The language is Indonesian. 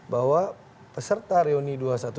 bahwa peserta reuni dua ratus dua belas